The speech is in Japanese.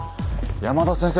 山田先生